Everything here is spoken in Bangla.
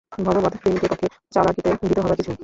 ভগবৎ-প্রেমিকের পক্ষে চালাকিতে ভীত হবার কিছুই নেই।